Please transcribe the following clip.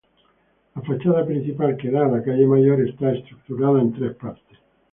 La fachada principal, que da a la calle mayor, está estructurada en tres partes.